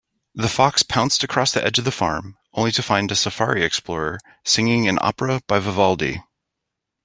The fox pounced across the edge of the farm, only to find a safari explorer singing an opera by Vivaldi.